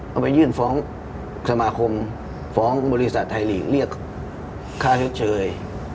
เอาไปยื่นฟ้องสมาคมฟ้องบริษัทไทยฤทธิ์เรียกค่าเฉียดเฉย